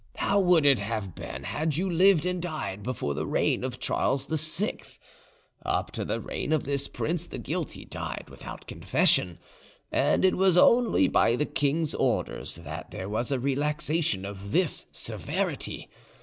How would it have been had you lived and died before the reign of Charles VI? Up to the reign of this prince, the guilty died without confession, and it was only by this king's orders that there was a relaxation of this severity.